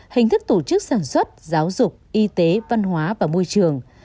hình thức tổ chức sản xuất giáo dục y tế văn hóa và môi trường